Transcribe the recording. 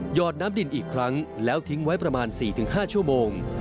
อดน้ำดินอีกครั้งแล้วทิ้งไว้ประมาณ๔๕ชั่วโมง